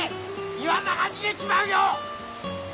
イワナが逃げちまうよ！